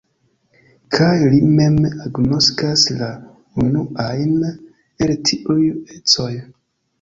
Kaj li mem agnoskas la unuajn el tiuj ecoj.